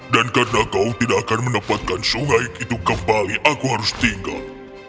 dan karena kau tidak akan menempatkan sungai itu kembali aku harus tinggal